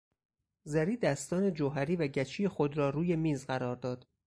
زری دستان جوهری و گچی خود را روی میز قرار داد.